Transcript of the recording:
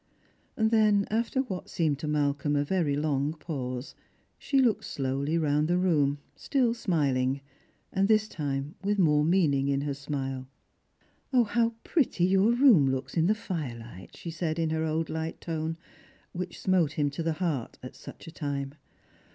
Then, after what seemed to Malcolm a ,ery long pause, she looked slowly round the room, still smiling, and this time with more meaning in her smile. " How pretty your room looks in the firelight !" she said in her old light tone, which smote him to the heart at such a time.